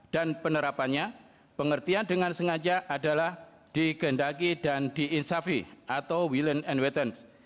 dan penerapannya pengertian dengan sengaja adalah digendaki dan diinsafi atau willing and waiting